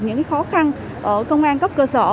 những khó khăn ở công an cấp cơ sở